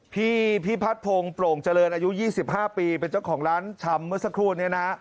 พี่พิพัฒน์พงศ์โปร่งเจริญอายุ๒๕ปีเป็นเจ้าของร้านชำเมื่อสักครู่นี้นะ